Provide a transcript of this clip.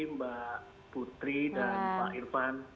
mbak putri dan pak irfan